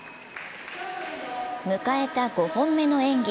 迎えた５本目の演技。